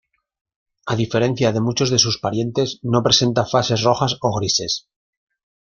A diferencia de muchos de sus parientes, no presenta fases rojas o grises.